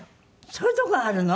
そういうとこがあるの？